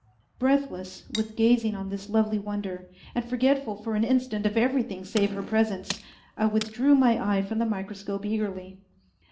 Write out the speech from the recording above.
Breathless with gazing on this lovely wonder, and forgetful for an instant of everything save her presence, I withdrew my eye from the microscope eagerly.